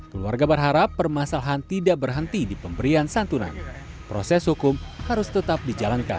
keluarga berharap permasalahan tidak berhenti di pemberian santunan proses hukum harus tetap dijalankan